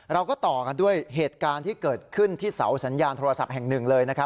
ต่อกันด้วยเหตุการณ์ที่เกิดขึ้นที่เสาสัญญาณโทรศัพท์แห่งหนึ่งเลยนะครับ